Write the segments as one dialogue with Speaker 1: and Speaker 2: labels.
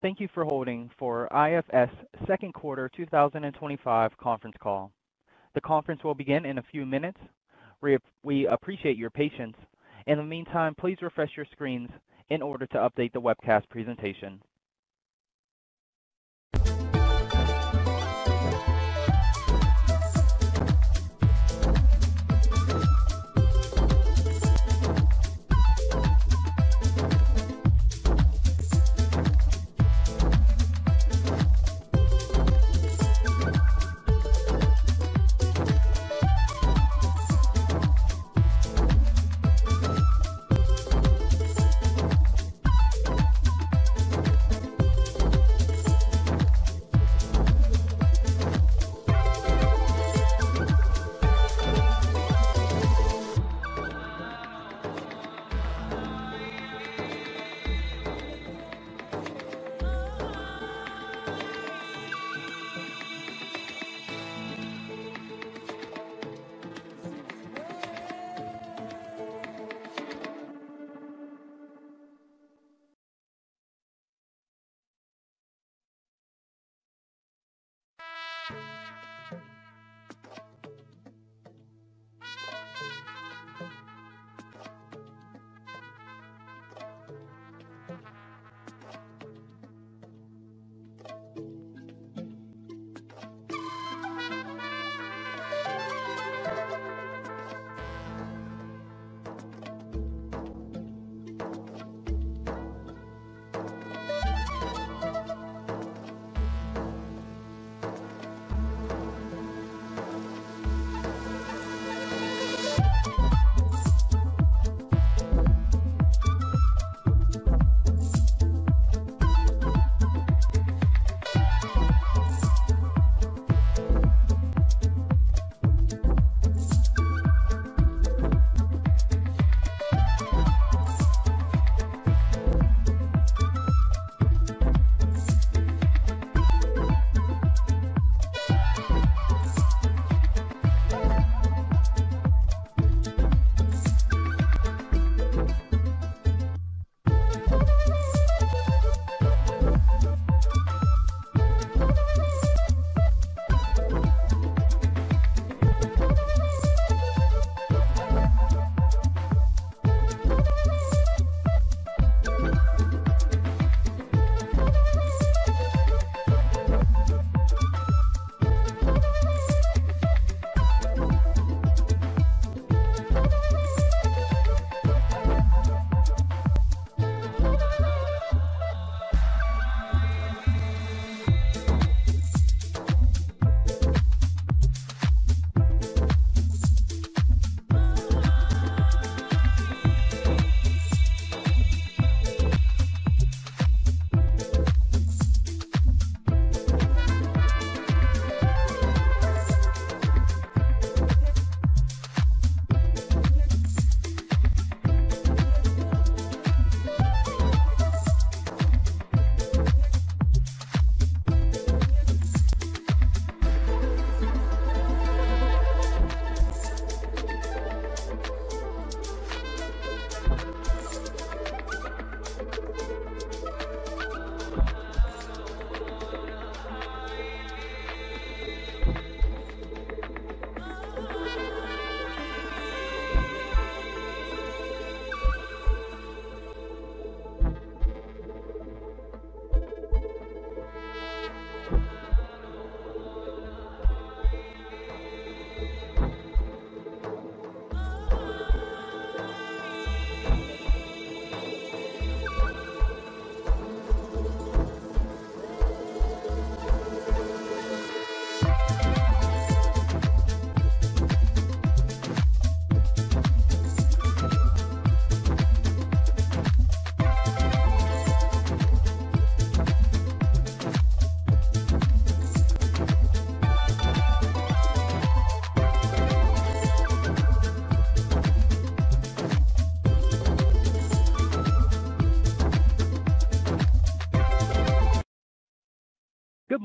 Speaker 1: Thank you for holding for IFS second quarter 2025 conference call. The conference will begin in a few minutes. We appreciate your patience. In the meantime, please refresh your screens in order to update the webcast presentation.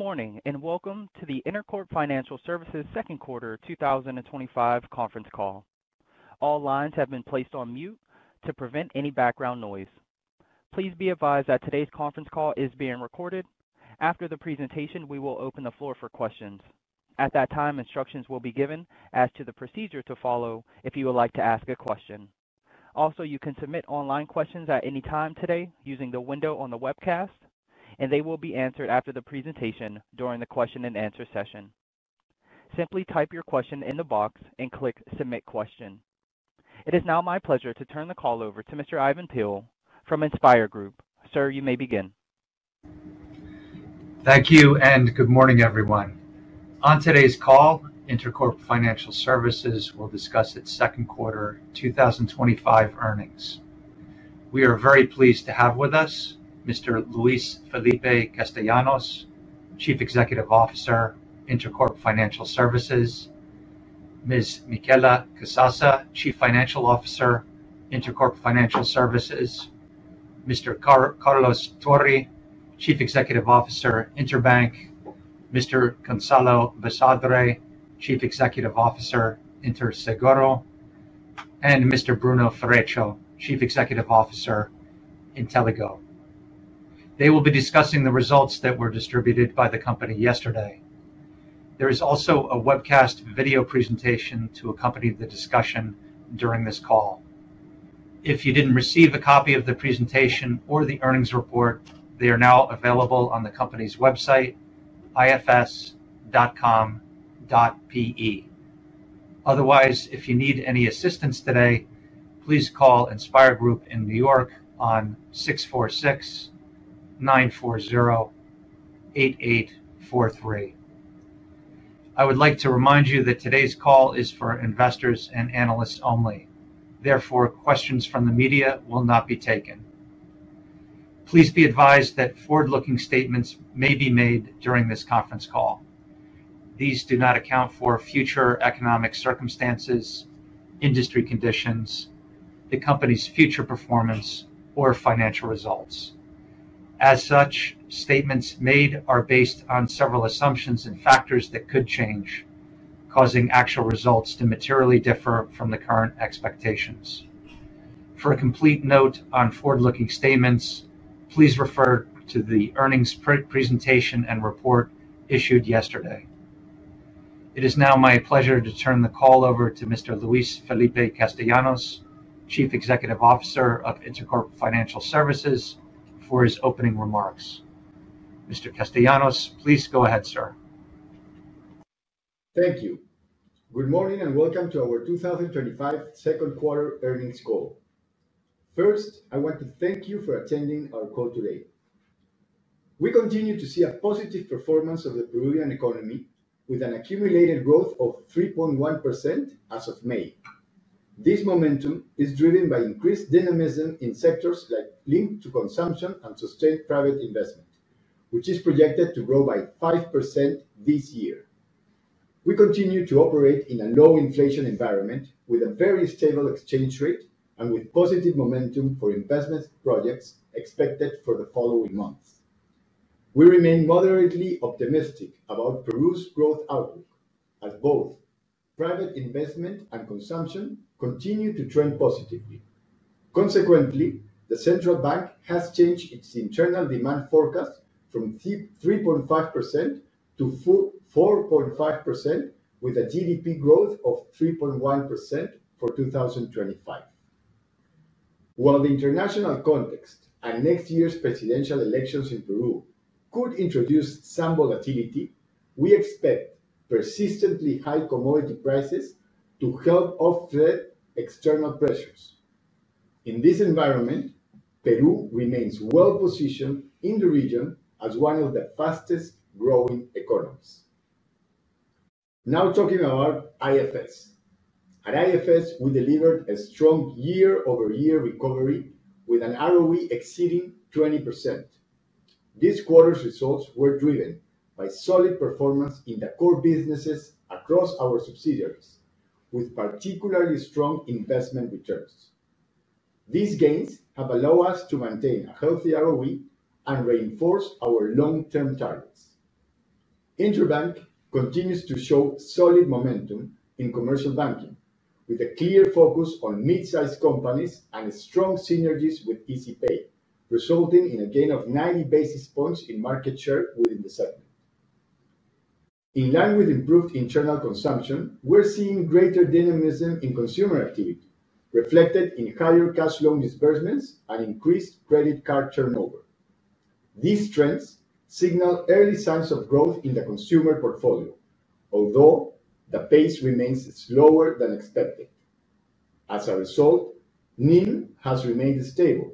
Speaker 1: Good morning and welcome to the Intercorp Financial Services second quarter 2025 conference call. All lines have been placed on mute to prevent any background noise. Please be advised that today's conference call is being recorded. After the presentation, we will open the floor for questions. At that time, instructions will be given as to the procedure to follow if you would like to ask a question. Also, you can submit online questions at any time today using the window on the webcast, and they will be answered after the presentation during the question and answer session. Simply type your question in the box and click submit question. It is now my pleasure to turn the call over to Mr. Ivan Peill from InspIR Group. Sir, you may begin.
Speaker 2: Thank you and good morning, everyone. On today's call, Intercorp Financial Services will discuss its second quarter 2025 earnings. We are very pleased to have with us Mr. Luis Felipe Castellanos, Chief Executive Officer, Intercorp Financial Services; Ms. Michela Casassa, Chief Financial Officer, Intercorp Financial Services; Mr. Carlos Tori, Chief Executive Officer, Interbank; Mr. Gonzalo Basadre, Chief Executive Officer, Interseguro; and Mr. Bruno Ferreccio, Chief Executive Officer, Inteligo. They will be discussing the results that were distributed by the company yesterday. There is also a webcast video presentation to accompany the discussion during this call. If you didn't receive a copy of the presentation or the earnings report, they are now available on the company's website, ifs.com.pe. Otherwise, if you need any assistance today, please call InspIR Group in New York on 646-940-8843. I would like to remind you that today's call is for investors and analysts only. Therefore, questions from the media will not be taken. Please be advised that forward-looking statements may be made during this conference call. These do not account for future economic circumstances, industry conditions, the company's future performance, or financial results. As such, statements made are based on several assumptions and factors that could change, causing actual results to materially differ from the current expectations. For a complete note on forward-looking statements, please refer to the earnings presentation and report issued yesterday. It is now my pleasure to turn the call over to Mr. Luis Felipe Castellanos, Chief Executive Officer of Intercorp Financial Services, for his opening remarks. Mr. Castellanos, please go ahead, sir.
Speaker 3: Thank you. Good morning and welcome to our 2025 second quarter earnings call. First, I want to thank you for attending our call today. We continue to see a positive performance of the Peruvian economy, with an accumulated growth of 3.1% as of May. This momentum is driven by increased dynamism in sectors linked to consumption and sustained private investment, which is projected to grow by 5% this year. We continue to operate in a low-inflation environment, with a very stable exchange rate and with positive momentum for investment projects expected for the following months. We remain moderately optimistic about Peru's growth outlook, as both private investment and consumption continue to trend positively. Consequently, the central bank has changed its internal demand forecast from 3.5%-4.5%, with a GDP growth of 3.1% for 2025. While the international context and next year's presidential elections in Peru could introduce some volatility, we expect persistently high commodity prices to help offset external pressures. In this environment, Peru remains well-positioned in the region as one of the fastest-growing economies. Now, talking about IFS. At IFS, we delivered a strong year-over-year recovery with an ROE exceeding 20%. This quarter's results were driven by solid performance in the core businesses across our subsidiaries, with particularly strong investment returns. These gains have allowed us to maintain a healthy ROE and reinforce our long-term targets. Interbank continues to show solid momentum in commercial banking, with a clear focus on mid-sized companies and strong synergies with ECP, resulting in a gain of 90 basis points in market share within the segment. In line with improved internal consumption, we're seeing greater dynamism in consumer activity, reflected in higher cash loan disbursements and increased credit card turnover. These trends signal early signs of growth in the consumer portfolio, although the pace remains slower than expected. As a result, NIM has remained stable,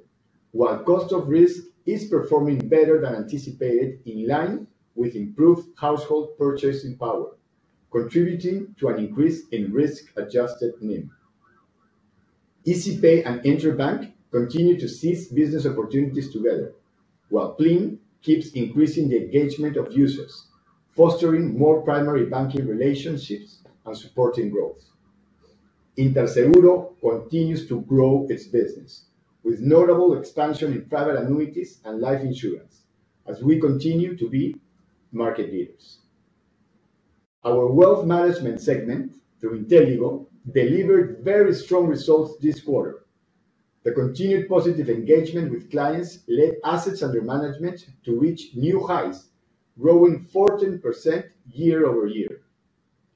Speaker 3: while cost of risk is performing better than anticipated in line with improved household purchasing power, contributing to an increase in risk-adjusted NIM. ECP and Interbank continue to seize business opportunities together, while PLIN keeps increasing the engagement of users, fostering more primary banking relationships and supporting growth. Interseguro continues to grow its business, with notable expansion in private annuities and life insurance, as we continue to be market leaders. Our wealth management segment, through Inteligo, delivered very strong results this quarter. The continued positive engagement with clients led assets under management to reach new highs, growing 14% year over year.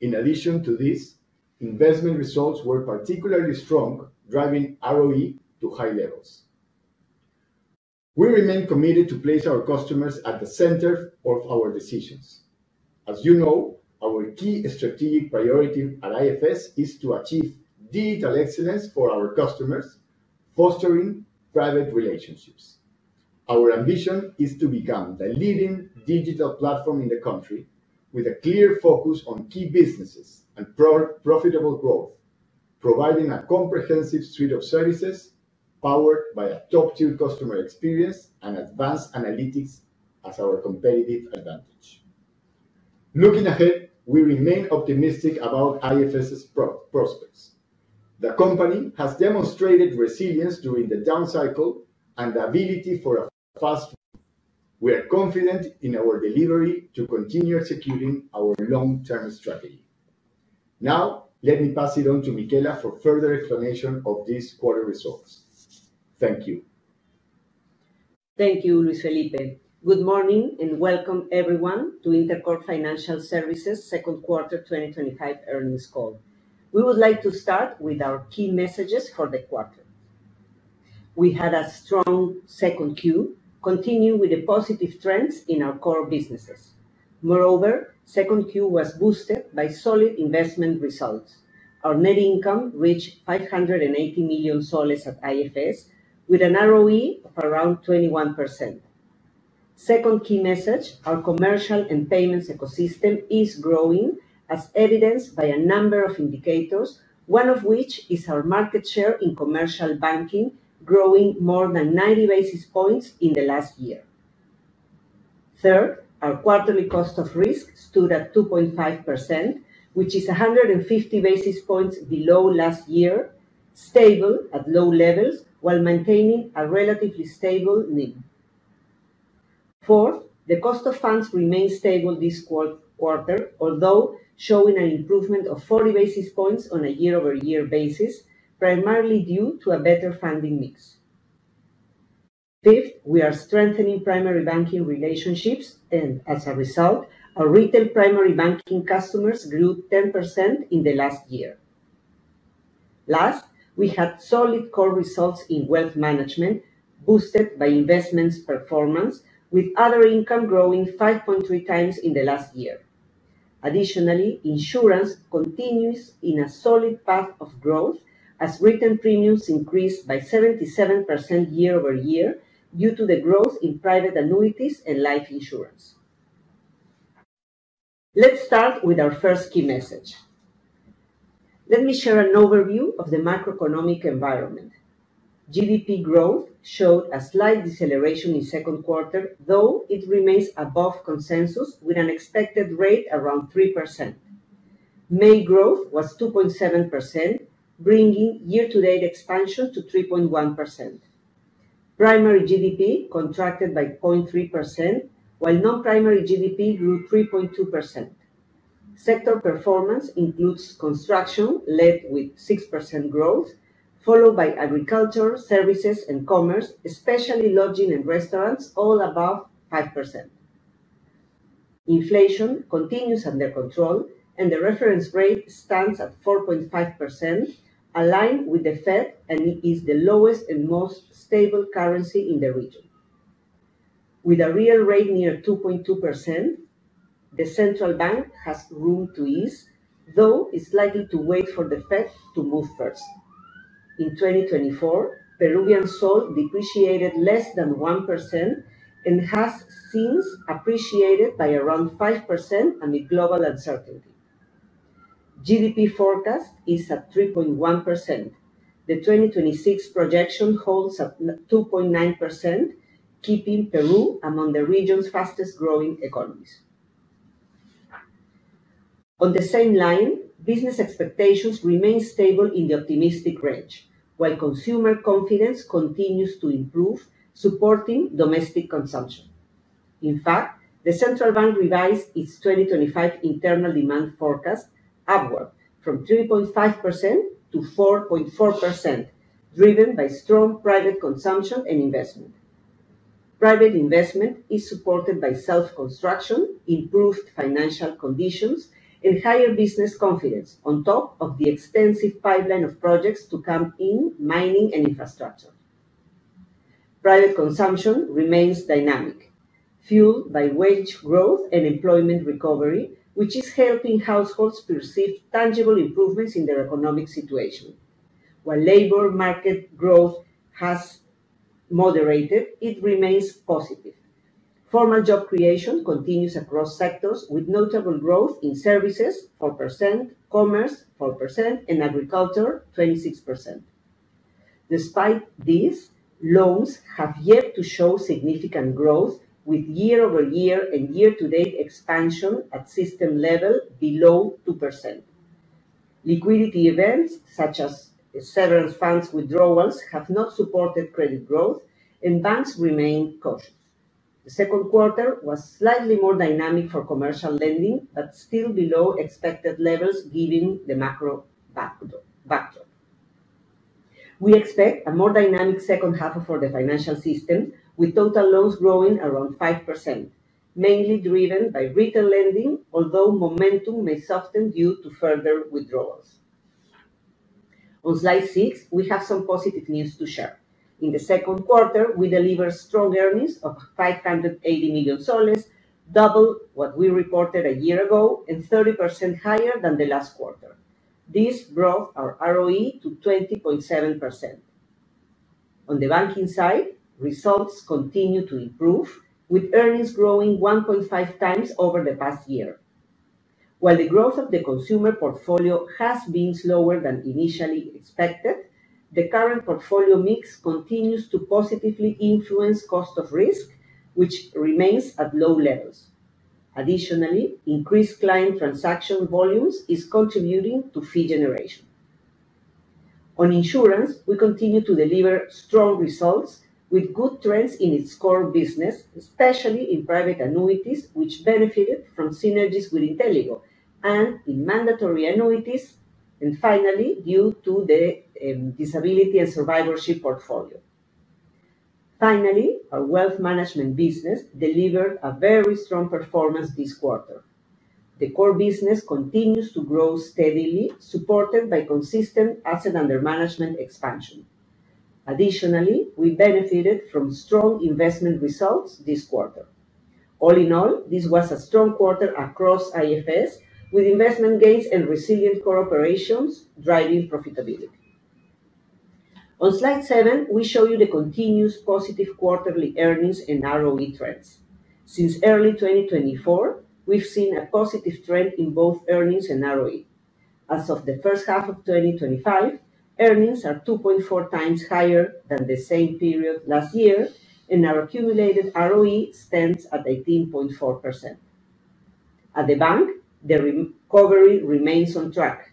Speaker 3: In addition to this, investment results were particularly strong, driving ROE to high levels. We remain committed to place our customers at the center of our decisions. As you know, our key strategic priority at IFS is to achieve digital excellence for our customers, fostering private relationships. Our ambition is to become the leading digital platform in the country, with a clear focus on key businesses and profitable growth, providing a comprehensive suite of services powered by a top-tier customer experience and advanced analytics as our competitive advantage. Looking ahead, we remain optimistic about IFS's prospects. The company has demonstrated resilience during the down cycle and the ability for a fast growth. We are confident in our delivery to continue executing our long-term strategy. Now, let me pass it on to Michela for further explanation of this quarter's results. Thank you.
Speaker 4: Thank you, Luis Felipe. Good morning and welcome everyone to Intercorp Financial Services second quarter 2025 earnings call. We would like to start with our key messages for the quarter. We had a strong second quarter, continuing with the positive trends in our core businesses. Moreover, the second quarter was boosted by solid investment results. Our net income reached SOL 580 million at IFS, with an ROE of around 21%. The second key message: our commercial and payments ecosystem is growing, as evidenced by a number of indicators, one of which is our market share in commercial banking, growing more than 90 basis points in the last year. Third, our quarterly cost of risk stood at 2.5%, which is 150 basis points below last year, stable at low levels while maintaining a relatively stable NIM. Fourth, the cost of funds remains stable this quarter, although showing an improvement of 40 basis points on a year-over-year basis, primarily due to a better funding mix. Fifth, we are strengthening primary banking relationships, and as a result, our retail primary banking customers grew 10% in the last year. Last, we had solid core results in wealth management, boosted by investments performance, with other income growing 5.3 times in the last year. Additionally, insurance continues in a solid path of growth, as retail premiums increased by 77% year over year due to the growth in private annuities and life insurance. Let's start with our first key message. Let me share an overview of the macroeconomic environment. GDP growth showed a slight deceleration in the second quarter, though it remains above consensus with an expected rate around 3%. May growth was 2.7%, bringing year-to-date expansion to 3.1%. Primary GDP contracted by 0.3%, while non-primary GDP grew 3.2%. Sector performance includes construction, led with 6% growth, followed by agriculture, services, and commerce, especially lodging and restaurants, all above 5%. Inflation continues under control, and the reference rate stands at 4.5%, aligned with the Fed and is the lowest and most stable currency in the region. With a real rate near 2.2%, the central bank has room to ease, though it's likely to wait for the Fed to move first. In 2024, Peruvian soles depreciated less than 1% and has since appreciated by around 5% amid global uncertainty. GDP forecast is at 3.1%. The 2026 projection holds at 2.9%, keeping Peru among the region's fastest-growing economies. On the same line, business expectations remain stable in the optimistic range, while consumer confidence continues to improve, supporting domestic consumption. In fact, the central bank revised its 2025 internal demand forecast upward from 3.5%-4.4%, driven by strong private consumption and investment. Private investment is supported by self-construction, improved financial conditions, and higher business confidence, on top of the extensive pipeline of projects to come in mining and infrastructure. Private consumption remains dynamic, fueled by wage growth and employment recovery, which is helping households perceive tangible improvements in their economic situation. While labor market growth has moderated, it remains positive. Formal job creation continues across sectors, with notable growth in services 4%, commerce 4%, and agriculture 26%. Despite this, loans have yet to show significant growth, with year-over-year and year-to-date expansion at system level below 2%. Liquidity events, such as severance funds withdrawals, have not supported credit growth, and banks remain cautious. The second quarter was slightly more dynamic for commercial lending, but still below expected levels, given the macro backdrop. We expect a more dynamic second half for the financial system, with total loans growing around 5%, mainly driven by retail lending, although momentum may soften due to further withdrawals. On slide six, we have some positive news to share. In the second quarter, we delivered strong earnings of SOL 580 million, double what we reported a year ago and 30% higher than the last quarter. This brought our ROE to 20.7%. On the banking side, results continue to improve, with earnings growing 1.5 times over the past year. While the growth of the consumer portfolio has been slower than initially expected, the current portfolio mix continues to positively influence cost of risk, which remains at low levels. Additionally, increased client transactional volumes are contributing to fee generation. On insurance, we continue to deliver strong results with good trends in its core business, especially in private annuities, which benefited from synergies with Inteligo, and in mandatory annuities, and finally due to the disability and survivorship portfolio. Finally, our wealth management business delivered a very strong performance this quarter. The core business continues to grow steadily, supported by consistent assets under management expansion. Additionally, we benefited from strong investment results this quarter. All in all, this was a strong quarter across IFS, with investment gains and resilient core operations driving profitability. On slide seven, we show you the continuous positive quarterly earnings and ROE trends. Since early 2024, we've seen a positive trend in both earnings and ROE. As of the first half of 2025, earnings are 2.4 times higher than the same period last year, and our accumulated ROE stands at 18.4%. At the bank, the recovery remains on track.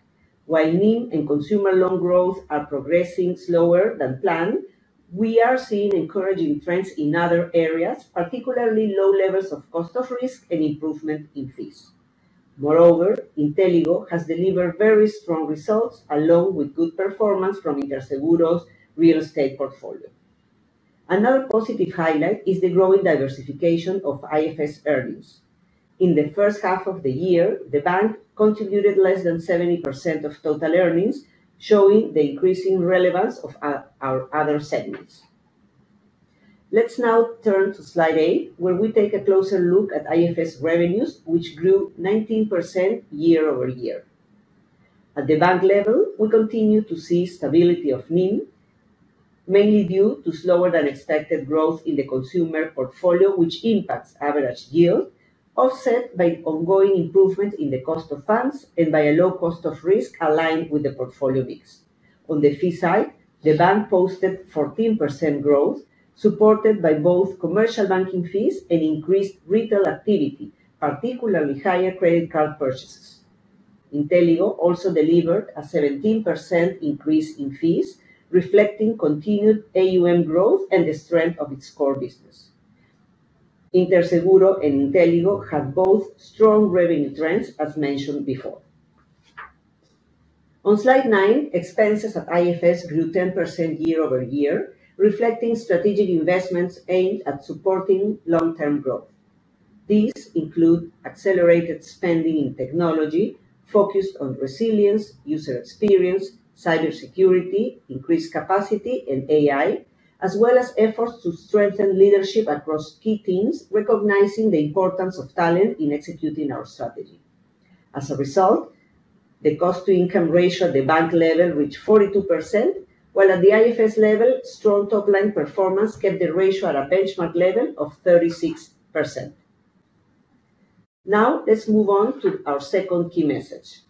Speaker 4: While NIM and consumer loan growth are progressing slower than planned, we are seeing encouraging trends in other areas, particularly low levels of cost of risk and improvement in fees. Moreover, Inteligo has delivered very strong results, along with good performance from Interseguro's real estate portfolio. Another positive highlight is the growing diversification of IFS earnings. In the first half of the year, the bank contributed less than 70% of total earnings, showing the increasing relevance of our other segments. Let's now turn to slide eight, where we take a closer look at IFS revenues, which grew 19% year over year. At the bank level, we continue to see stability of NIM, mainly due to slower-than-expected growth in the consumer portfolio, which impacts average yield, offset by ongoing improvement in the cost of funds and by a low cost of risk aligned with the portfolio mix. On the fee side, the bank posted 14% growth, supported by both commercial banking fees and increased retail activity, particularly higher credit card purchases. Inteligo also delivered a 17% increase in fees, reflecting continued AUM growth and the strength of its core business. Interseguro and Inteligo had both strong revenue trends, as mentioned before. On slide nine, expenses at IFS grew 10% year over year, reflecting strategic investments aimed at supporting long-term growth. These include accelerated spending in technology, focused on resilience, user experience, cybersecurity, increased capacity, and AI, as well as efforts to strengthen leadership across key teams, recognizing the importance of talent in executing our strategy. As a result, the cost-to-income ratio at the bank level reached 42%, while at the IFS level, strong top-line performance kept the ratio at a benchmark level of 36%. Now, let's move on to our second key message.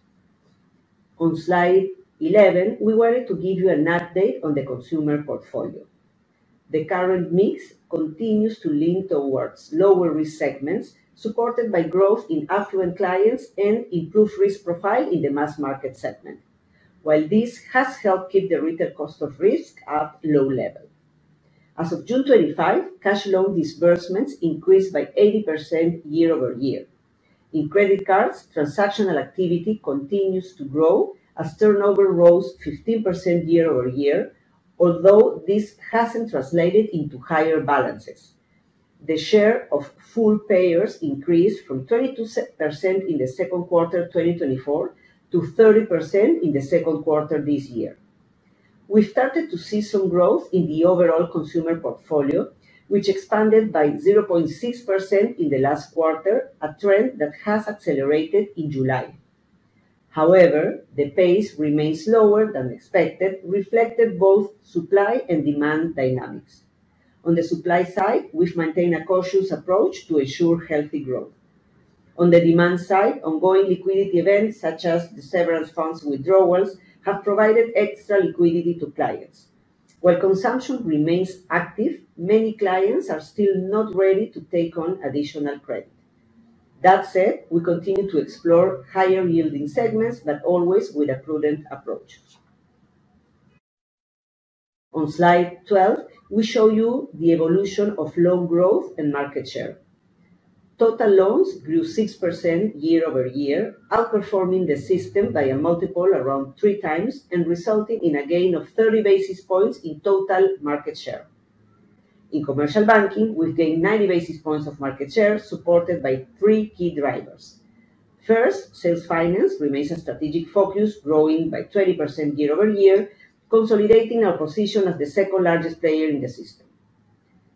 Speaker 4: On slide 11, we wanted to give you an update on the consumer portfolio. The current mix continues to lean towards lower-risk segments, supported by growth in affluent clients and improved risk profile in the mass market segment. While this has helped keep the retail cost of risk at a low level, as of June 25th, cash loan disbursements increased by 80% year over year. In credit cards, transactional activity continues to grow, as turnover rose 15% year over year, although this hasn't translated into higher balances. The share of full payers increased from 22% in the second quarter 2024 to 30% in the second quarter this year. We've started to see some growth in the overall consumer portfolio, which expanded by 0.6% in the last quarter, a trend that has accelerated in July. However, the pace remains slower than expected, reflecting both supply and demand dynamics. On the supply side, we've maintained a cautious approach to ensure healthy growth. On the demand side, ongoing liquidity events, such as the severance funds withdrawals, have provided extra liquidity to clients. While consumption remains active, many clients are still not ready to take on additional credit. That said, we continue to explore higher yielding segments, but always with a prudent approach. On slide 12, we show you the evolution of loan growth and market share. Total loans grew 6% year over year, outperforming the system by a multiple around three times and resulting in a gain of 30 basis points in total market share. In commercial banking, we've gained 90 basis points of market share, supported by three key drivers. First, sales finance remains a strategic focus, growing by 20% year over year, consolidating our position as the second largest player in the system.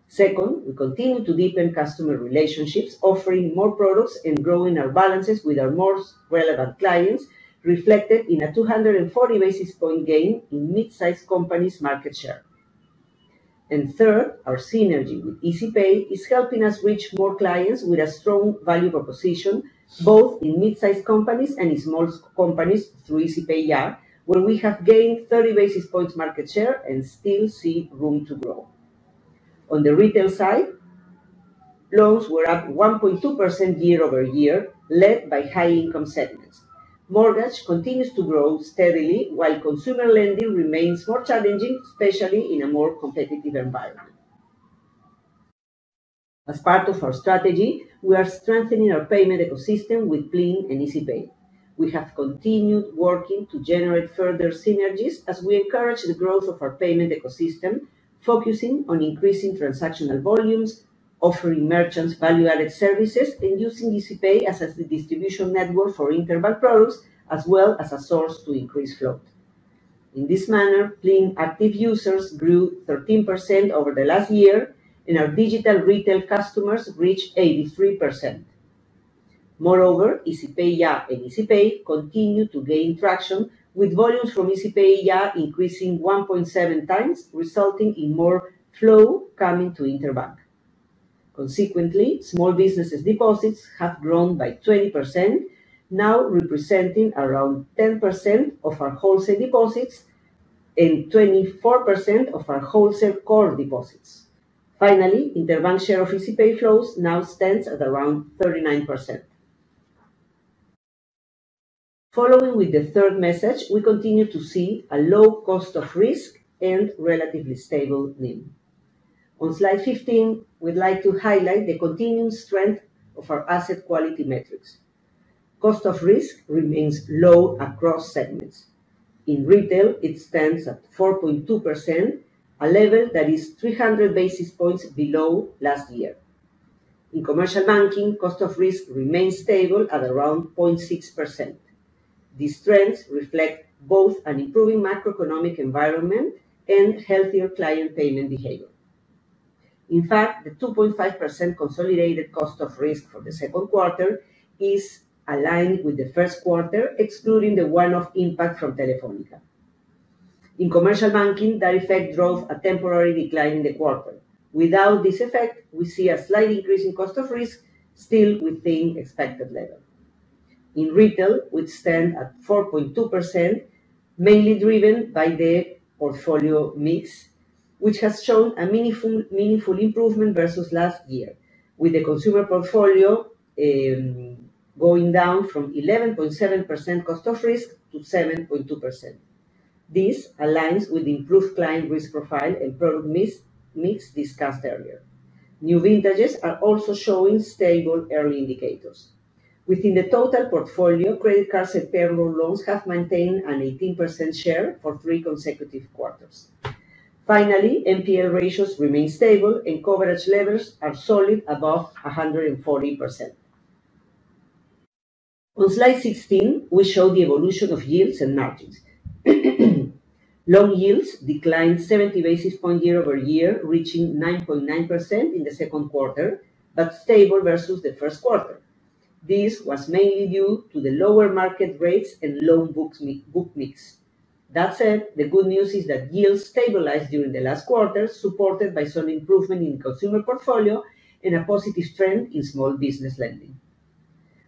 Speaker 4: Second, we continue to deepen customer relationships, offering more products and growing our balances with our more relevant clients, reflected in a 240 basis point gain in mid-sized companies' market share. Third, our synergy with ECP is helping us reach more clients with a strong value proposition, both in mid-sized companies and in small companies through ECP where we have gained 30 basis points market share and still see room to grow. On the retail side, loans were up 1.2% year over year, led by high-income segments. Mortgage continues to grow steadily, while consumer lending remains more challenging, especially in a more competitive environment. As part of our strategy, we are strengthening our payment ecosystem with PLIN and ECP. We have continued working to generate further synergies as we encourage the growth of our payment ecosystem, focusing on increasing transactional volumes, offering merchants value-added services, and using ECP as a distribution network for Interbank products, as well as a source to increase float. In this manner, PLIN active users grew 13% over the last year, and our digital retail customers reached 83%. Moreover, ECP and ECP continue to gain traction, with volumes from ECP increasing 1.7 times, resulting in more flow coming to Interbank. Consequently, small businesses' deposits have grown by 20%, now representing around 10% of our wholesale deposits and 24% of our wholesale core deposits. Finally, Interbank share of ECP flows now stands at around 39%. Following with the third message, we continue to see a low cost of risk and relatively stable NIM. On slide 15, we'd like to highlight the continuing strength of our asset quality metrics. Cost of risk remains low across segments. In retail, it stands at 4.2%, a level that is 300 basis points below last year. In commercial banking, cost of risk remains stable at around 0.6%. These trends reflect both an improving macroeconomic environment and healthier client payment behavior. In fact, the 2.5% consolidated cost of risk from the second quarter is aligned with the first quarter, excluding the one-off impact from Telefónica. In commercial banking, that effect drove a temporary decline in the quarter. Without this effect, we see a slight increase in cost of risk, still within expected levels. In retail, we stand at 4.2%, mainly driven by the portfolio mix, which has shown a meaningful improvement versus last year, with the consumer portfolio going down from 11.7% cost of risk-7.2% cost of risk. This aligns with the improved client risk profile and product mix discussed earlier. New vintages are also showing stable early indicators. Within the total portfolio, credit card and payroll loans have maintained an 18% share for three consecutive quarters. Finally, NPL ratios remain stable, and coverage levels are solid above 140%. On slide 16, we show the evolution of yields and margins. Loan yields declined 70 basis points year over year, reaching 9.9% in the second quarter, but stable versus the first quarter. This was mainly due to the lower market rates and loan book mix. That said, the good news is that yields stabilized during the last quarter, supported by some improvement in the consumer portfolio and a positive trend in small business lending.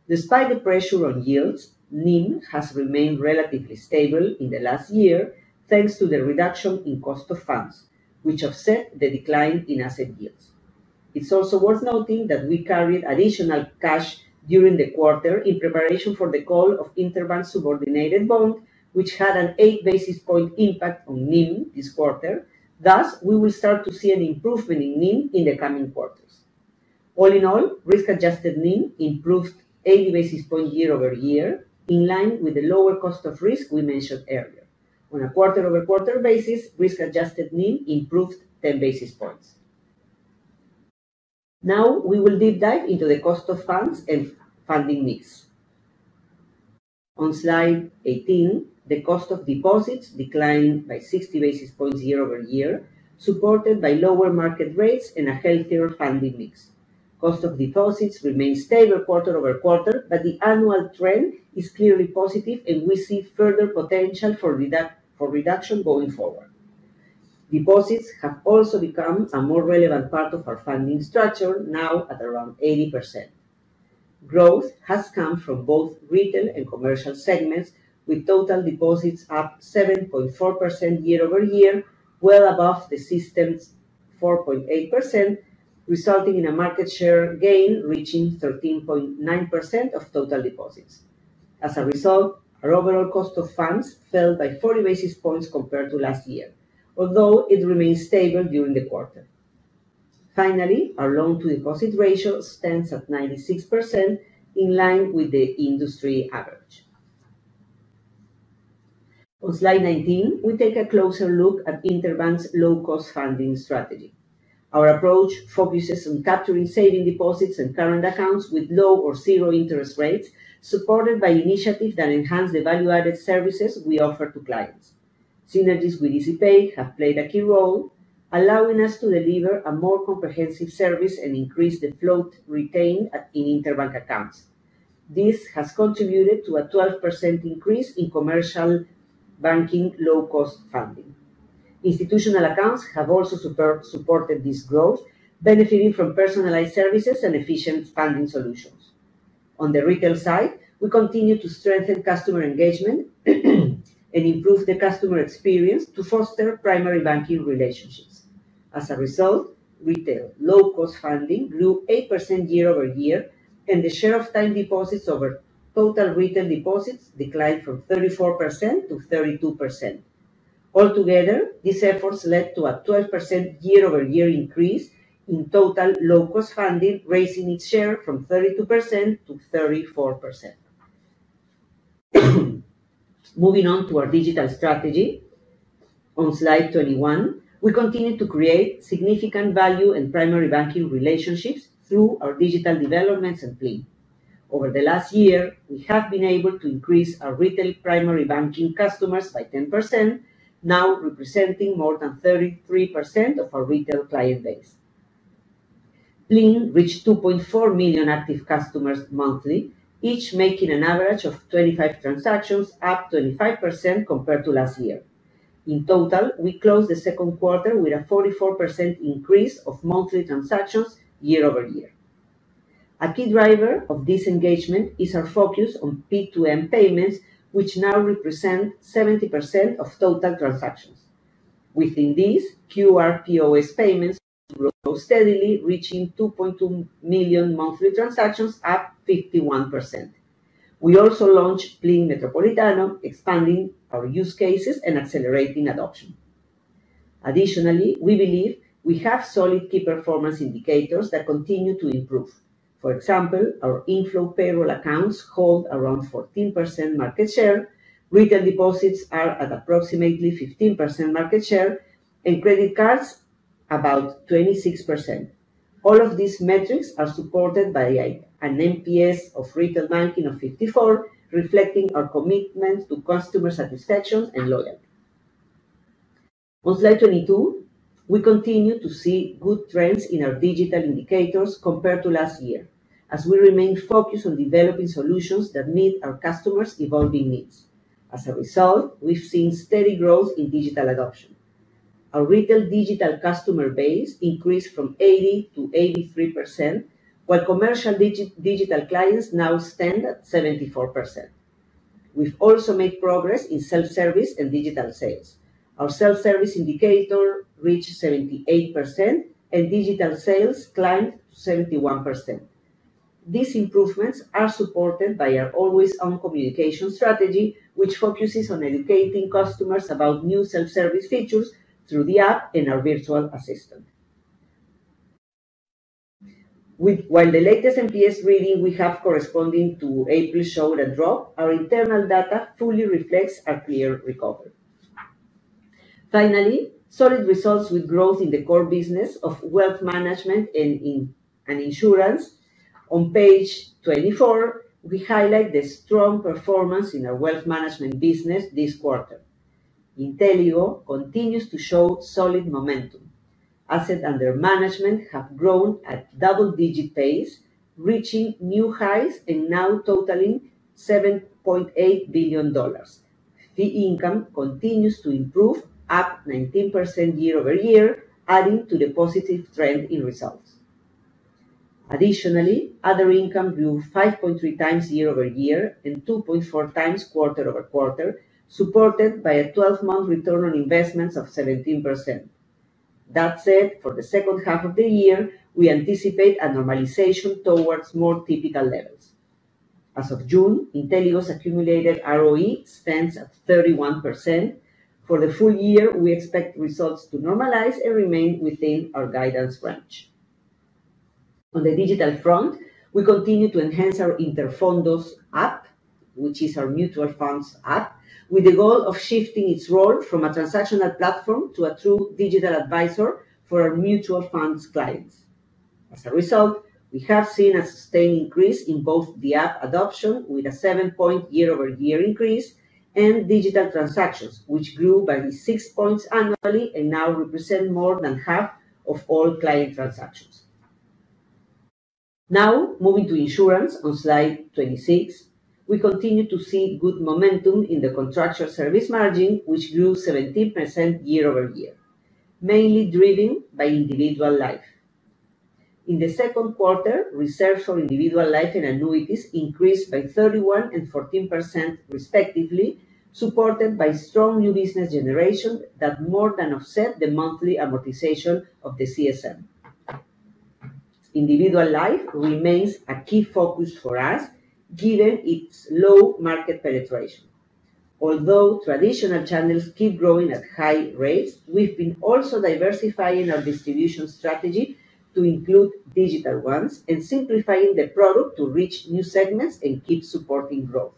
Speaker 4: Despite the pressure on yields, NIM has remained relatively stable in the last year, thanks to the reduction in cost of funds, which offset the decline in asset yields. It's also worth noting that we carried additional cash during the quarter in preparation for the call of Interbank's subordinated bond, which had an eight basis point impact on NIM this quarter. Thus, we will start to see an improvement in NIM in the coming quarters. All in all, risk-adjusted NIM improved 80 basis points year over year, in line with the lower cost of risk we mentioned earlier. On a quarter-over-quarter basis, risk-adjusted NIM improved 10 basis points. Now, we will deep dive into the cost of funds and funding mix. On slide 18, the cost of deposits declined by 60 basis points year over year, supported by lower market rates and a healthier funding mix. Cost of deposits remains stable quarter over quarter, but the annual trend is clearly positive, and we see further potential for reduction going forward. Deposits have also become a more relevant part of our funding structure, now at around 80%. Growth has come from both retail and commercial segments, with total deposits up 7.4% year over year, well above the system's 4.8%, resulting in a market share gain reaching 13.9% of total deposits. As a result, our overall cost of funds fell by 40 basis points compared to last year, although it remains stable during the quarter. Finally, our loan-to-deposit ratio stands at 96%, in line with the industry average. On slide 19, we take a closer look at Interbank's low-cost funding strategy. Our approach focuses on capturing saving deposits and current accounts with low or zero interest rates, supported by initiatives that enhance the value-added services we offer to clients. Synergies with ECP have played a key role, allowing us to deliver a more comprehensive service and increase the float retained in Interbank accounts. This has contributed to a 12% increase in commercial banking low-cost funding. Institutional accounts have also supported this growth, benefiting from personalized services and efficient funding solutions. On the retail side, we continue to strengthen customer engagement and improve the customer experience to foster primary banking relationships. As a result, retail low-cost funding grew 8% year over year, and the share of time deposits over total retail deposits declined from 34%-32%. Altogether, these efforts led to a 12% year-over-year increase in total low-cost funding, raising its share from 32%-34%. Moving on to our digital strategy, on slide 21, we continue to create significant value and primary banking relationships through our digital developments and PLIN. Over the last year, we have been able to increase our retail primary banking customers by 10%, now representing more than 33% of our retail client base. PLIN reached 2.4 million active customers monthly, each making an average of 25 transactions, up 25% compared to last year. In total, we closed the second quarter with a 44% increase of monthly transactions year over year. A key driver of this engagement is our focus on P2M payments, which now represent 70% of total transactions. Within this, QRPOS payments grow steadily, reaching 2.2 million monthly transactions, up 51%. We also launched PLIN Metropolitano, expanding our use cases and accelerating adoption. Additionally, we believe we have solid key performance indicators that continue to improve. For example, our inflow payroll accounts hold around 14% market share, retail deposits are at approximately 15% market share, and credit cards about 26%. All of these metrics are supported by an NPS of retail banking of 54, reflecting our commitment to customer satisfaction and loyalty. On slide 22, we continue to see good trends in our digital indicators compared to last year, as we remain focused on developing solutions that meet our customers' evolving needs. As a result, we've seen steady growth in digital adoption. Our retail digital customer base increased from 80% to 83%, while commercial digital clients now stand at 74%. We've also made progress in self-service and digital sales. Our self-service indicator reached 78%, and digital sales climbed to 71%. These improvements are supported by our always-on communication strategy, which focuses on educating customers about new self-service features through the app and our virtual assistant. While the latest NPS reading we have corresponding to April showed a drop, our internal data fully reflects a clear recovery. Finally, solid results with growth in the core business of wealth management and insurance. On page 24, we highlight the strong performance in our wealth management business this quarter. Inteligo continues to show solid momentum. Assets under management have grown at double-digit pace, reaching new highs and now totaling $7.8 billion. Fee income continues to improve, up 19% year over year, adding to the positive trend in results. Additionally, other income grew 5.3 times year over year and 2.4 times quarter over quarter, supported by a 12-month return on investments of 17%. That said, for the second half of the year, we anticipate a normalization towards more typical levels. As of June, Inteligo's accumulated ROE stands at 31%. For the full year, we expect results to normalize and remain within our guidance range. On the digital front, we continue to enhance our Interfondos app, which is our mutual funds app, with the goal of shifting its role from a transactional platform to a true digital advisor for our mutual funds clients. As a result, we have seen a sustained increase in both the app adoption, with a seven-point year-over-year increase, and digital transactions, which grew by six points annually and now represent more than half of all client transactions. Now, moving to insurance on slide 26, we continue to see good momentum in the contractual service margin, which grew 17% year over year, mainly driven by individual life. In the second quarter, reserves for individual life and annuities increased by 31% and 14% respectively, supported by strong new business generation that more than offset the monthly amortization of the CSM. Individual life remains a key focus for us, given its low market penetration. Although traditional channels keep growing at high rates, we've been also diversifying our distribution strategy to include digital ones and simplifying the product to reach new segments and keep supporting growth.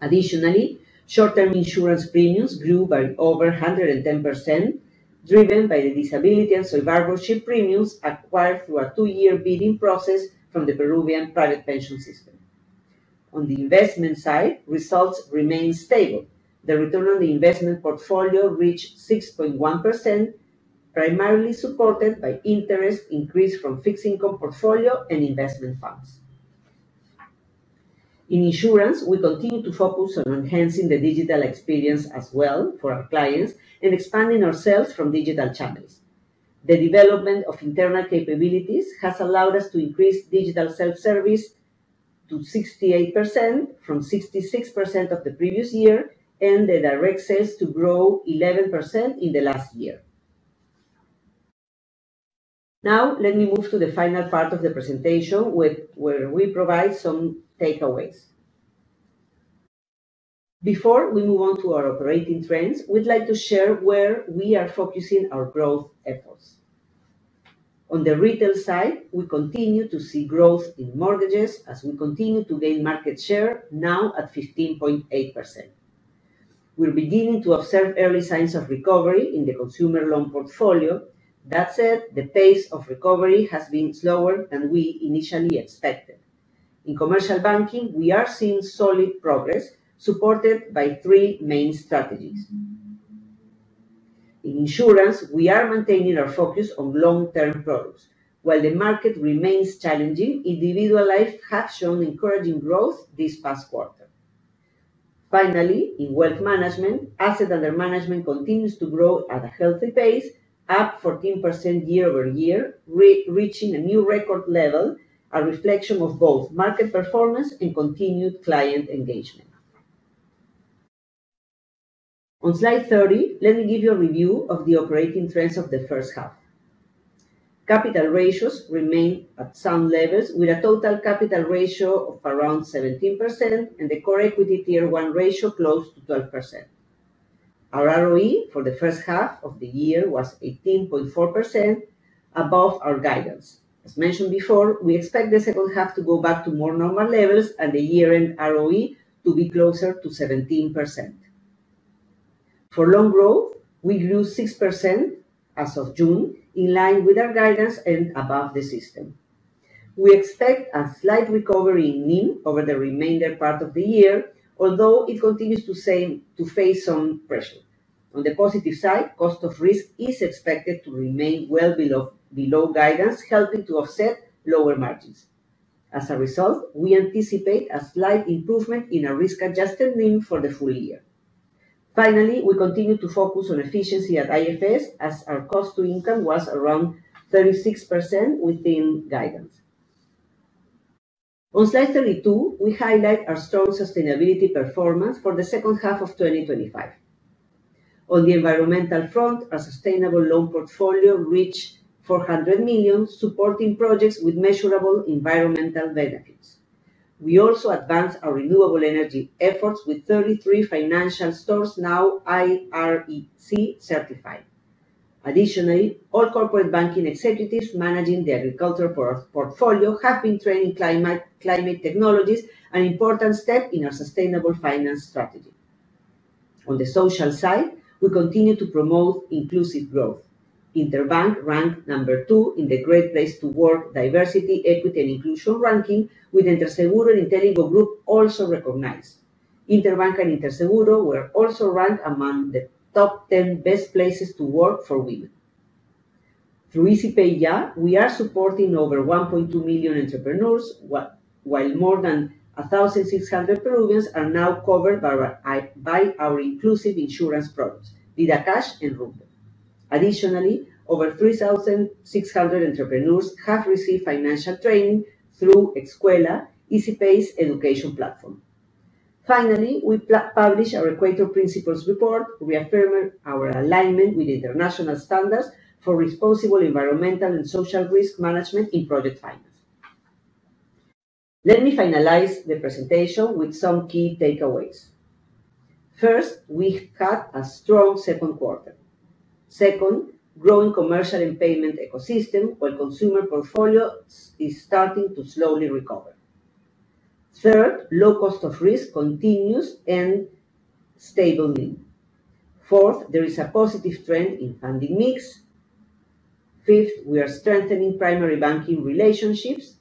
Speaker 4: Additionally, short-term insurance premiums grew by over 110%, driven by the disability and survivorship premiums acquired through a two-year bidding process from the Peruvian private pension system. On the investment side, results remain stable. The return on the investment portfolio reached 6.1%, primarily supported by interest increased from fixed income portfolio and investment funds. In insurance, we continue to focus on enhancing the digital experience as well for our clients and expanding ourselves from digital channels. The development of internal capabilities has allowed us to increase digital self-service to 68% from 66% of the previous year, and the direct sales to grow 11% in the last year. Now, let me move to the final part of the presentation where we provide some takeaways. Before we move on to our operating trends, we'd like to share where we are focusing our growth epochs. On the retail side, we continue to see growth in mortgages as we continue to gain market share, now at 15.8%. We're beginning to observe early signs of recovery in the consumer loan portfolio. That said, the pace of recovery has been slower than we initially expected. In commercial banking, we are seeing solid progress, supported by three main strategies. In insurance, we are maintaining our focus on long-term products. While the market remains challenging, individual life has shown encouraging growth this past quarter. Finally, in wealth management, assets under management continue to grow at a healthy pace, up 14% year over year, reaching a new record level, a reflection of both market performance and continued client engagement. On slide 30, let me give you a review of the operating trends of the first half. Capital ratios remain at sound levels, with a total capital ratio of around 17% and the core equity tier one ratio close to 12%. Our ROE for the first half of the year was 18.4%, above our guidance. As mentioned before, we expect the second half to go back to more normal levels and the year-end ROE to be closer to 17%. For loan growth, we grew 6% as of June, in line with our guidance and above the system. We expect a slight recovery in NIM over the remainder part of the year, although it continues to face some pressure. On the positive side, cost of risk is expected to remain well below guidance, helping to offset lower margins. As a result, we anticipate a slight improvement in our risk-adjusted NIM for the full year. Finally, we continue to focus on efficiency at IFS, as our cost to income was around 36% within guidance. On slide 32, we highlight our strong sustainability performance for the second half of 2025. On the environmental front, our sustainable loan portfolio reached $400 million, supporting projects with measurable environmental benefits. We also advanced our renewable energy efforts with 33 financial stores now IREC certified. Additionally, all corporate banking executives managing the agricultural portfolio have been trained in climate technologies, an important step in our sustainable finance strategy. On the social side, we continue to promote inclusive growth. Interbank ranked number two in the Great Place to Work Diversity, Equity, and Inclusion ranking, with Interseguro and Inteligo also recognized. Interbank and Interseguro were also ranked among the top 10 best places to work for women. Through ECP we are supporting over $1.2 million entrepreneurs, while more than 1,600 Peruvians are now covered by our inclusive insurance products, D-Cash and Rumple. Additionally, over 3,600 entrepreneurs have received financial training through Escuela, ECP's education platform. Finally, we published our Equator Principles Report, reaffirming our alignment with international standards for responsible environmental and social risk management in project finance. Let me finalize the presentation with some key takeaways. First, we had a strong second quarter. Second, growing commercial and payment ecosystems, while consumer portfolio is starting to slowly recover. Third, low cost of risk continues and stable NIM. Fourth, there is a positive trend in funding mix. Fifth, we are strengthening primary banking relationships.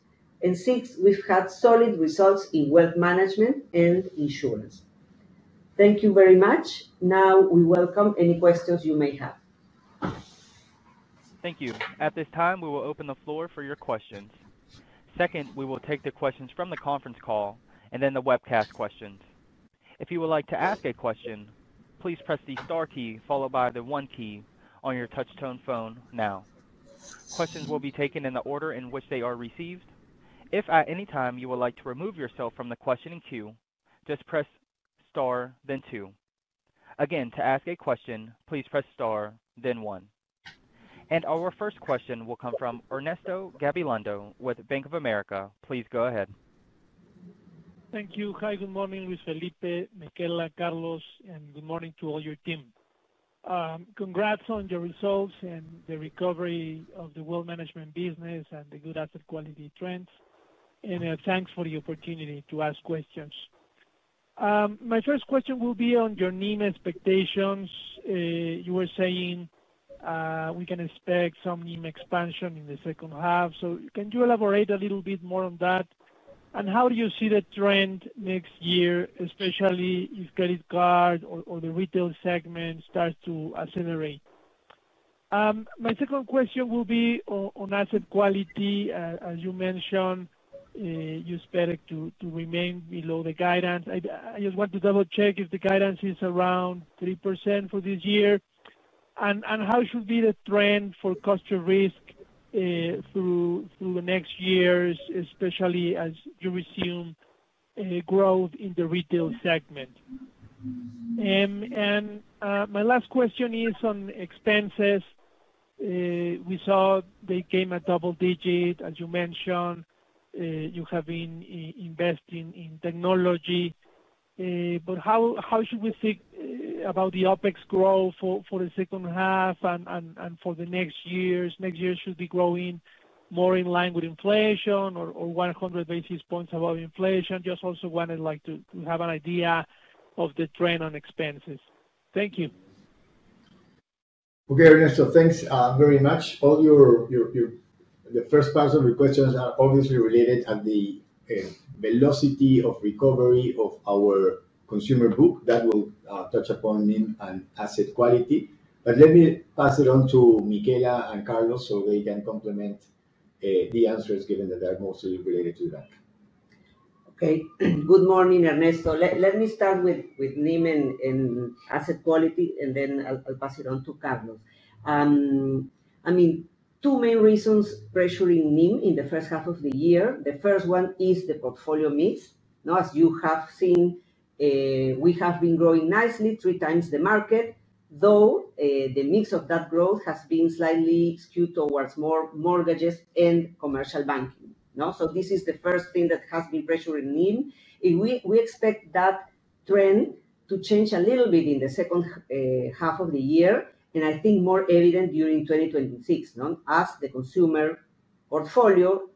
Speaker 4: Sixth, we've had solid results in wealth management and insurance. Thank you very much. Now, we welcome any questions you may have.
Speaker 1: Thank you. At this time, we will open the floor for your questions. Second, we will take the questions from the conference call and then the webcast questions. If you would like to ask a question, please press the star key followed by the one key on your touch-tone phone now. Questions will be taken in the order in which they are received. If at any time you would like to remove yourself from the questioning queue, just press star, then two. Again, to ask a question, please press star, then one. Our first question will come from Ernesto Gabilondo with Bank of America. Please go ahead.
Speaker 5: Thank you. Hi, good morning, Luis Felipe, Michela, Carlos, and good morning to all your team. Congrats on your results and the recovery of the wealth management business and the good asset quality trends. Thanks for the opportunity to ask questions. My first question will be on your NIM expectation. You were saying we can expect some NIM expansion in the second half. Could you elaborate a little bit more on that? How do you see the trend next year, especially if credit card or the retail segment starts to accelerate? My second question will be on asset quality. As you mentioned, you expect to remain below the guidance. I just want to double-check if the guidance is around 3% for this year. How should the trend for cost of risk be through the next years, especially as you resume growth in the retail segment? My last question is on expenses. We saw they came at double digits, as you mentioned. You have been investing in technology. How should we think about the OpEx growth for the second half and for the next years? Next year should it be growing more in line with inflation or 100 basis points above inflation? I just also wanted to have an idea of the trend on expenses. Thank you.
Speaker 3: Okay, Ernesto, thanks very much. All your first-person requests are obviously related to the velocity of recovery of our consumer book that will touch upon NIM and asset quality. Let me pass it on to Michela and Carlos so they can complement the answers given that they're mostly related to that.
Speaker 4: Okay. Good morning, Ernesto. Let me start with NIM and asset quality, and then I'll pass it on to Carlos. I mean, two main reasons pressuring NIM in the first half of the year. The first one is the portfolio mix. As you have seen, we have been growing nicely, three times the market, though the mix of that growth has been slightly skewed towards more mortgages and commercial banking. This is the first thing that has been pressuring NIM. We expect that trend to change a little bit in the second half of the year, and I think more evident during 2026, as the consumer portfolio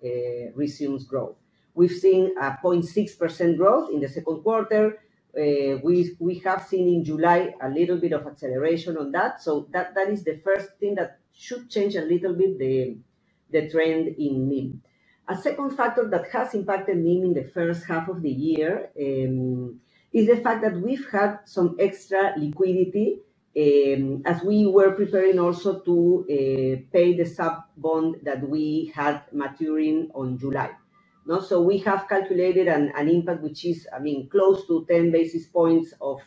Speaker 4: resumes growth. We've seen a 0.6% growth in the second quarter. We have seen in July a little bit of acceleration on that. That is the first thing that should change a little bit the trend in NIM. A second factor that has impacted NIM in the first half of the year is the fact that we've had some extra liquidity as we were preparing also to pay the sub-bond that we had maturing in July. We have calculated an impact, which is close to 10 basis points of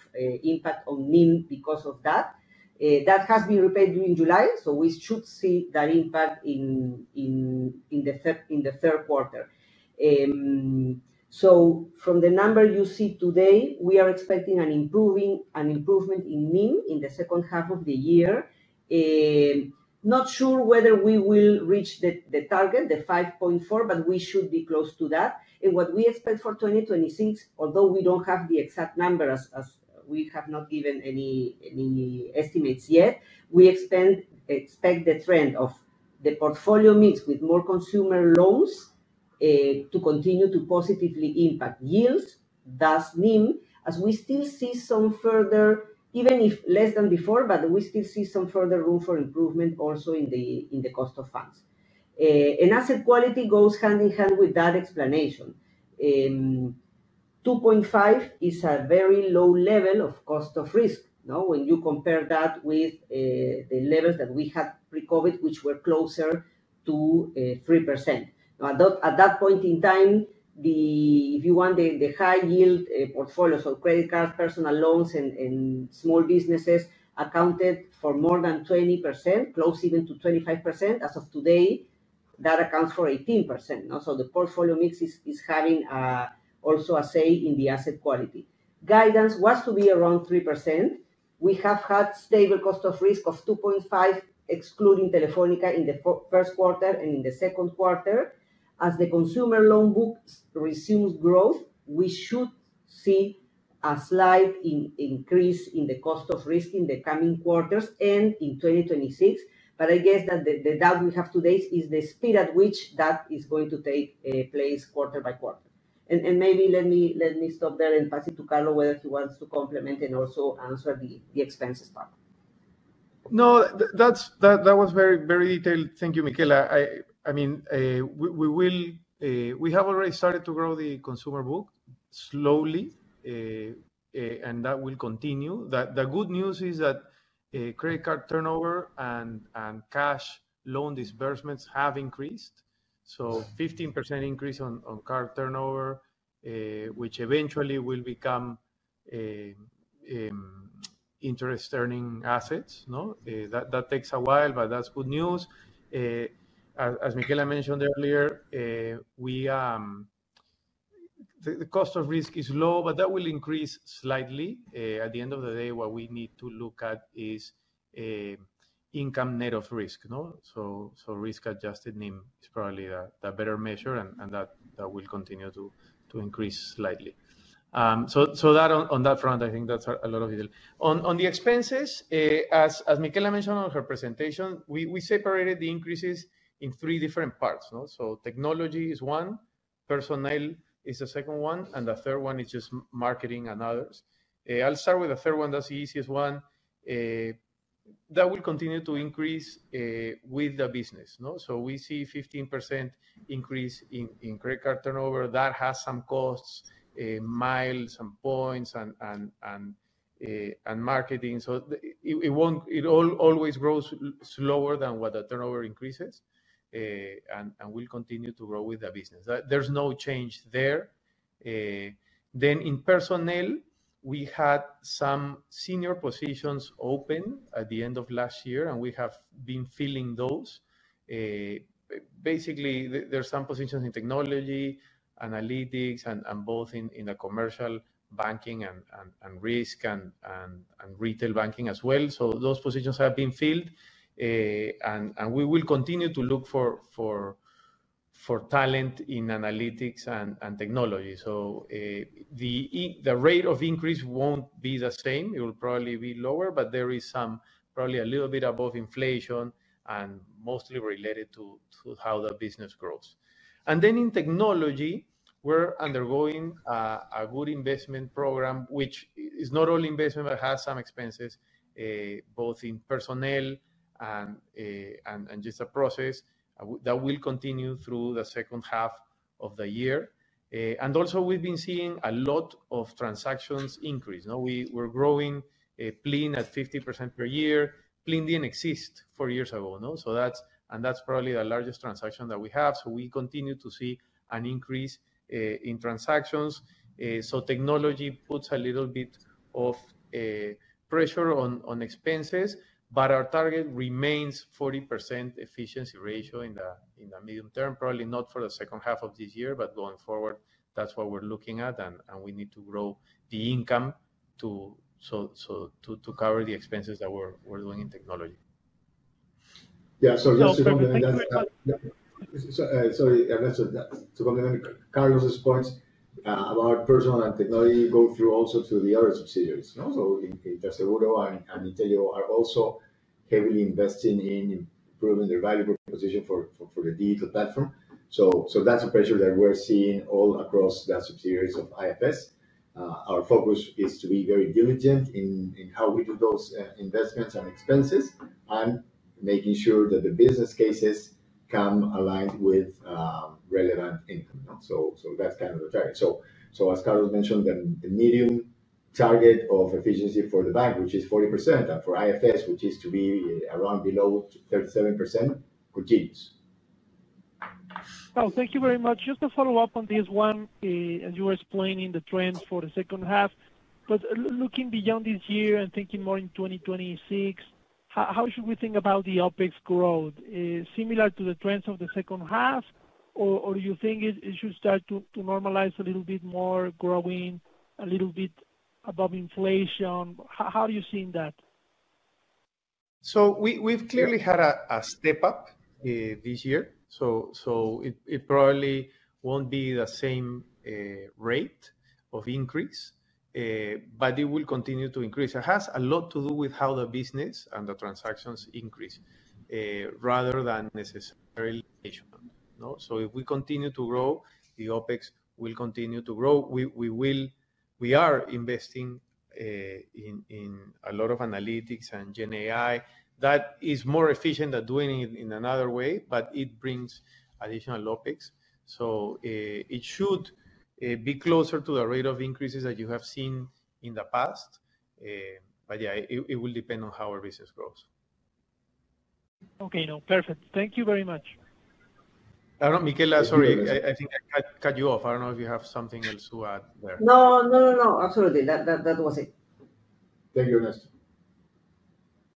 Speaker 4: impact on NIM because of that. That has been repaid during July, so we should see that impact in the third quarter. From the number you see today, we are expecting an improvement in NIM in the second half of the year. Not sure whether we will reach the target, the 5.4, but we should be close to that. What we expect for 2026, although we don't have the exact number as we have not given any estimates yet, we expect the trend of the portfolio mix with more consumer loans to continue to positively impact yields, thus NIM, as we still see some further, even if less than before, but we still see some further room for improvement also in the cost of funds. Asset quality goes hand in hand with that explanation. 2.5% is a very low level of cost of risk. Now, when you compare that with the levels that we had pre-COVID, which were closer to 3%. At that point in time, if you want the high-yield portfolios, so credit cards, personal loans, and small businesses accounted for more than 20%, close even to 25%. As of today, that accounts for 18%. The portfolio mix is having also a say in the asset quality. Guidance was to be around 3%. We have had stable cost of risk of 2.5%, excluding Telefónica in the first quarter and in the second quarter. As the consumer loan book resumes growth, we should see a slight increase in the cost of risk in the coming quarters and in 2026. I guess that the doubt we have today is the speed at which that is going to take place quarter by quarter. Maybe let me stop there and pass it to Carlos, whether he wants to complement and also answer the expenses part.
Speaker 6: No, that was very, very detailed. Thank you, Michela. I mean, we will, we have already started to grow the consumer book slowly, and that will continue. The good news is that credit card turnover and cash loan disbursements have increased. So a 15% increase on card turnover, which eventually will become interest-earning assets. That takes a while, but that's good news. As Michela mentioned earlier, the cost of risk is low, but that will increase slightly. At the end of the day, what we need to look at is income net of risk. Risk-adjusted NIM is probably a better measure, and that will continue to increase slightly. On that front, I think that's a lot of it. On the expenses, as Michela mentioned in her presentation, we separated the increases in three different parts. Technology is one, personnel is the second one, and the third one is just marketing and others. I'll start with the third one. That's the easiest one. That will continue to increase with the business. We see a 15% increase in credit card turnover. That has some costs, miles and points and marketing. It always grows slower than what the turnover increases, and will continue to grow with the business. There's no change there. In personnel, we had some senior positions open at the end of last year, and we have been filling those. Basically, there are some positions in technology, analytics, and both in the commercial banking and risk and retail banking as well. Those positions have been filled, and we will continue to look for talent in analytics and technology. The rate of increase won't be the same. It will probably be lower, but there is probably a little bit above inflation and mostly related to how the business grows. In technology, we're undergoing a good investment program, which is not only investment, but has some expenses, both in personnel and just a process that will continue through the second half of the year. Also, we've been seeing a lot of transactions increase. We're growing PLIN at 50% per year. PLIN didn't exist four years ago. That's probably the largest transaction that we have. We continue to see an increase in transactions. Technology puts a little bit of pressure on expenses, but our target remains a 40% efficiency ratio in the medium term, probably not for the second half of this year, but going forward, that's what we're looking at. We need to grow the income to cover the expenses that we're doing in technology.
Speaker 3: Yeah, sorry, Ernesto. To complement Carlos's points about personal and technology, both through also to the other subsidiaries. Interseguro and Inteligo are also heavily investing in improving their value proposition for the digital platform. That's a pressure that we're seeing all across the subsidiaries of IFS. Our focus is to be very diligent in how we do those investments and expenses and making sure that the business cases come aligned with relevant income. That's kind of the target. As Carlos mentioned, the medium target of efficiency for the bank, which is 40%, and for IFS, which is to be around below 37%, continues.
Speaker 5: Thank you very much. Just to follow up on this one, as you were explaining the trends for the second half, but looking beyond this year and thinking more in 2026, how should we think about the OpEx growth? Similar to the trends of the second half, or do you think it should start to normalize a little bit more, growing a little bit above inflation? How do you see that?
Speaker 6: We have clearly had a step up this year. It probably won't be the same rate of increase, but it will continue to increase. It has a lot to do with how the business and the transactions increase rather than necessarily inflation. If we continue to grow, the OpEx will continue to grow. We are investing in a lot of analytics and GenAI. That is more efficient than doing it in another way, but it brings additional OpEx. It should be closer to the rate of increases that you have seen in the past. It will depend on how our business grows.
Speaker 5: Okay, no, perfect. Thank you very much.
Speaker 6: I don't know, Michela, sorry, I think I cut you off. I don't know if you have something else to add there.
Speaker 4: No, absolutely. That was it.
Speaker 6: Thank you, Ernesto.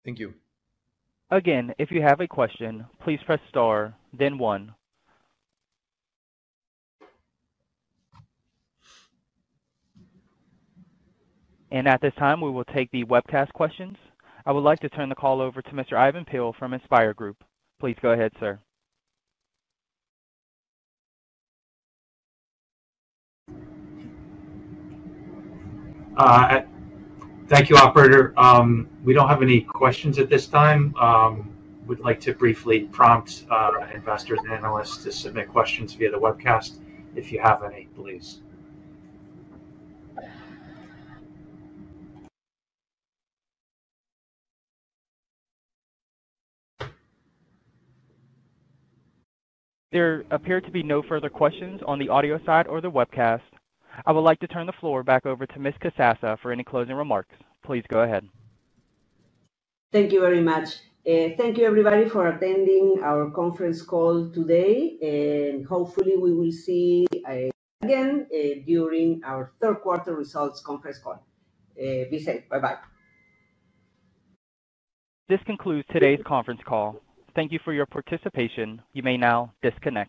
Speaker 5: Thank you.
Speaker 1: Again, if you have a question, please press star, then one. At this time, we will take the webcast questions. I would like to turn the call over to Mr. Ivan Peill from Inspire Group. Please go ahead, sir.
Speaker 2: Thank you, operator. We don't have any questions at this time. We'd like to briefly prompt investors and analysts to submit questions via the webcast if you have any, please.
Speaker 1: There appear to be no further questions on the audio side or the webcast. I would like to turn the floor back over to Ms. Casassa for any closing remarks. Please go ahead.
Speaker 4: Thank you very much. Thank you, everybody, for attending our conference call today. Hopefully, we will see you again during our third quarter results conference call. Bye-bye.
Speaker 1: This concludes today's conference call. Thank you for your participation. You may now disconnect.